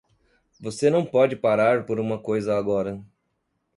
Você não pode parar por uma coisa agora!